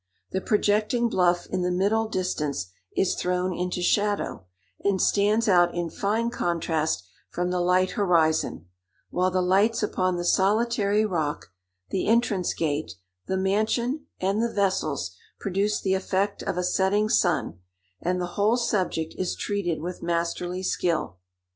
The projecting bluff in the middle distance is thrown into shadow, and stands out in fine contrast from the light horizon, while the lights upon the solitary rock, the entrance gate, the mansion, and the vessels, produce the effect of a setting sun; and the whole subject is treated with masterly skill.